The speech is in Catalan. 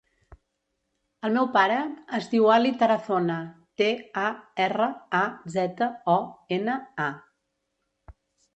El meu pare es diu Ali Tarazona: te, a, erra, a, zeta, o, ena, a.